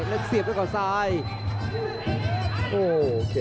อันนี้พยายามจะเน้นข้างซ้ายนะครับ